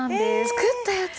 作ったやつ？